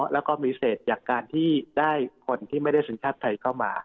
แล้วก็มีเศษจากการที่ได้คนที่ไม่ได้สัญชาติไทยเข้ามา